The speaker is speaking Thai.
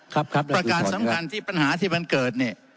ครับครับประกาศสำกัญที่ปัญหาที่มันเกิดนี่